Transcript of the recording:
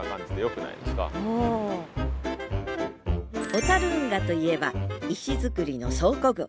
小運河といえば石造りの倉庫群。